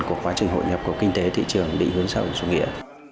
của quá trình hội nhập của kinh tế thị trường bị hướng sâu dù nghĩa